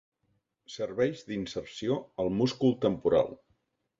Serveix d'inserció al múscul temporal.